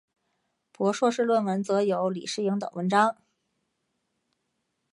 博硕士论文则有李诗莹等文章。